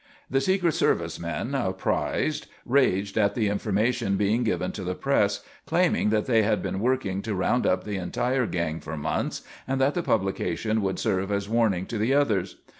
The secret service men, apprised, raged at the information being given to the press, claiming that they had been working to round up the entire gang for months, and that the publication would serve as warning to the others.